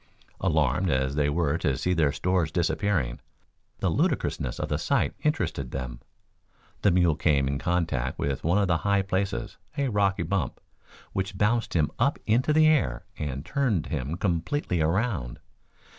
Alarmed as they were to see their stores disappearing, the ludicrousness of the sight interested them. The mule came in contact with one of the high places a rocky bump, which bounced him up into the air and turned him completely around.